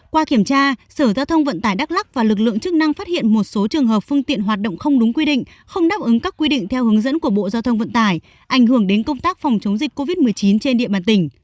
qua kiểm tra sở giao thông vận tải đắk lắc và lực lượng chức năng phát hiện một số trường hợp phương tiện hoạt động không đúng quy định không đáp ứng các quy định theo hướng dẫn của bộ giao thông vận tải ảnh hưởng đến công tác phòng chống dịch covid một mươi chín trên địa bàn tỉnh